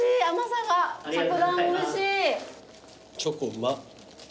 チョコうま。